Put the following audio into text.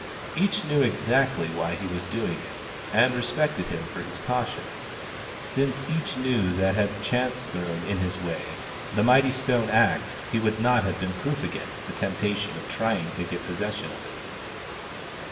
Each knew exactly why he was doing it, and respected him for his caution, since each knew that had chance thrown in his way tlie mighty stone axe he would not have been proof against the temptation of trying to get possession of it.